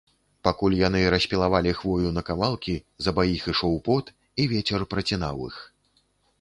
Пакуль яны распілавалі хвою на кавалкі, з абаіх ішоў пот, і вецер працінаў іх.